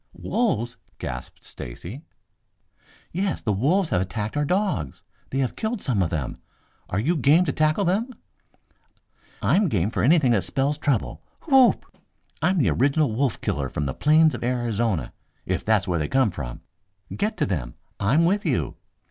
"Wolves?" gasped Stacy. "Yes. The wolves have attacked our dogs. They have killed some of them. Are you game to tackle them?" "I'm game for anything that spells trouble. Whoop! I'm the original wolf killer from the plains of Arizona, if that's where they come from. Get to them! I'm with you."